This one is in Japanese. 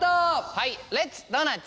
はいレッツドーナツ！